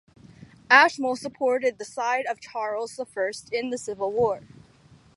Ashmole supported the side of Charles the First in the Civil War.